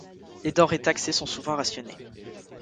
Les denrées taxées sont souvent rationnées.